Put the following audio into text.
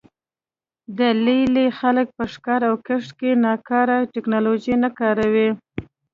د لې لې خلک په ښکار او کښت کې ناکاره ټکنالوژي نه کاروي